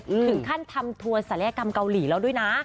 ถึงขั้นทำทัวร์ศัลยกรรมเกาหลีแล้วด้วยนะ